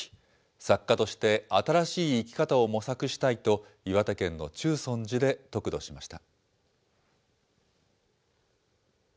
作家として新しい生き方を模索したいと、岩手県の中尊寺で得度しました。